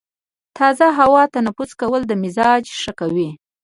تازه هوا تنفس کول د مزاج ښه کوي.